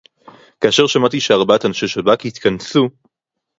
"כאשר שמעתי שארבעת אנשי שב"כ התכנסו"